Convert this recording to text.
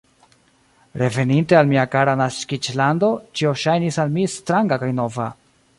Reveninte al mia kara naskiĝlando, ĉio ŝajnis al mi stranga kaj nova.